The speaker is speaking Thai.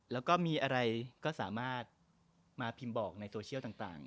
แล้วก็มีอะไรก็สามารถมาพิมพ์บอกในโซเชียลต่าง